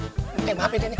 tentang maafin tante